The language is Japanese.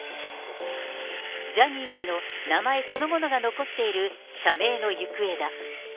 ジャニー氏の名前そのものが残っている社名の行方だ。